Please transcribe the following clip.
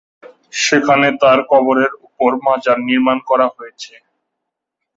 সেখানে তার কবরের উপর মাজার নির্মাণ করা হয়েছে।